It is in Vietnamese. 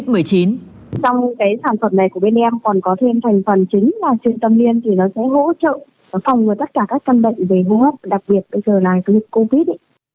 trong cái sản phẩm này của bên em còn có thêm thành phần chính là trung tâm liên thì nó sẽ hỗ trợ phòng ngừa tất cả các căn bệnh về hô hấp đặc biệt bây giờ là covid